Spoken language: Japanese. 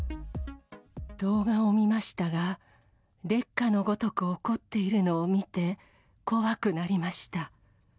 動画を見ましたが、烈火のごとく怒っているのを見て、怖くなりました。